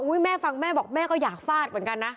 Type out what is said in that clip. แม่ฟังแม่บอกแม่ก็อยากฟาดเหมือนกันนะ